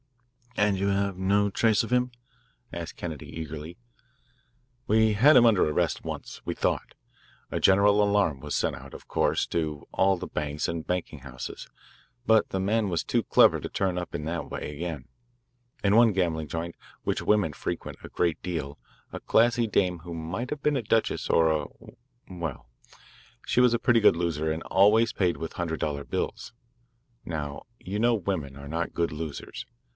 "And you have no trace of him?" asked Kennedy eagerly. "We had him under arrest once we thought. A general alarm was sent out, of course, to all the banks and banking houses. But the man was too clever to turn up in that way again. In one gambling joint which women frequent a good deal, a classy dame who might have been a duchess or a well, she was a pretty good loser and always paid with hundred dollar bills. Now, you know women are not good losers.